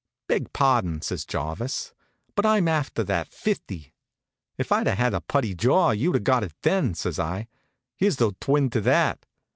"Beg pardon," says Jarvis; "but I'm after that fifty." "If I'd had a putty jaw, you'd got it then," says I. "Here's the twin to that."